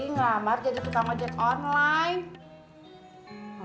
ngamar kerja di tukang ojek online